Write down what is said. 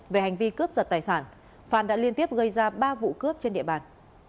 về hành vi cướp giật tài sản phan đã liên tiếp gây ra ba vụ cướp trên địa bàn